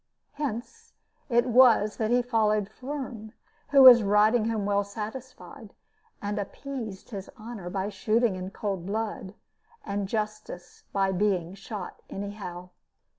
Hence it was that he followed Firm, who was riding home well satisfied, and appeased his honor by shooting in cold blood, and justice by being shot anyhow.